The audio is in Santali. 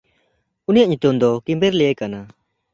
ᱩᱱᱤᱭᱟᱜ ᱧᱩᱛᱩᱢ ᱫᱚ ᱠᱤᱢᱵᱮᱨᱞᱮᱭᱼᱡᱚ ᱠᱟᱱᱟ᱾